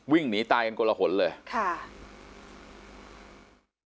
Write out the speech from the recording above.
วิ่งหนีตายกันกลหนเลยค่ะ